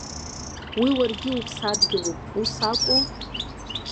Уи уаргьы иуԥсадгьылуп ус акәу?